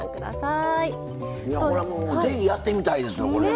いやこれはもうぜひやってみたいですね